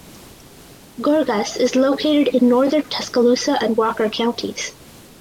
Gorgas is located in northern Tuscaloosa and Walker counties.